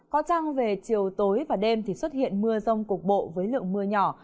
có trăng về chiều tối và đêm thì xuất hiện mưa rông cục bộ với lượng mưa nhỏ